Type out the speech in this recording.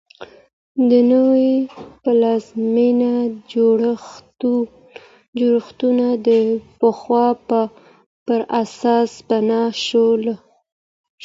د نوې پلازمېنې جوړښتونه د پخوا پر اساس بنا شول.